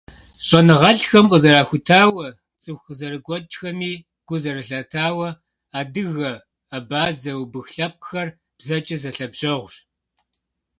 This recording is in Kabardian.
Щӏэныгъэлӏхэм къызэрахутауэ, цӏыху къызэрыгуэкӏхэми гу зэрылъатауэ, адыгэ, абазэ, убых лъэпкъхэр бзэкӏэ зэлъэбжьэгъущ.